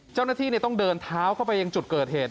เจ้าหน้าที่ต้องเดินเท้าเข้าไปยังจุดเกิดเหตุ